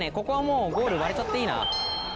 ここはもうゴール割れちゃっていいな。